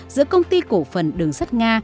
giữa công ty cổ phần đường sắt nga